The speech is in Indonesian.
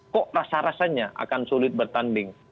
kok rasa rasanya akan sulit bertanding